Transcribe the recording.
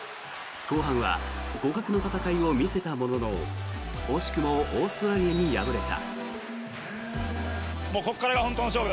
後半は互角の戦いを見せたものの惜しくもオーストラリアに敗れた。